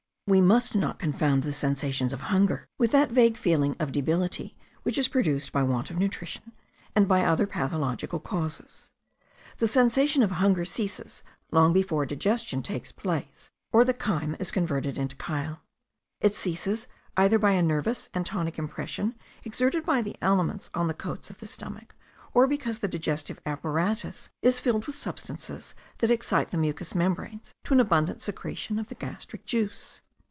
We must not confound the sensations of hunger with that vague feeling of debility which is produced by want of nutrition, and by other pathologic causes. The sensation of hunger ceases long before digestion takes place, or the chyme is converted into chyle. It ceases either by a nervous and tonic impression exerted by the aliments on the coats of the stomach; or, because the digestive apparatus is filled with substances that excite the mucous membranes to an abundant secretion of the gastric juice.